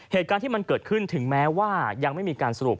เหตุการณ์ที่มันเกิดขึ้นถึงแม้ว่ายังไม่มีการสรุป